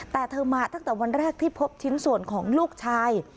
แต่เธอมาตั้งแต่วันแรกที่พบชิ้นส่วนของลูกชาย